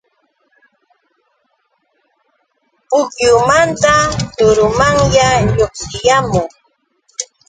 Pukyumanta turumanya lluqsiyaamun.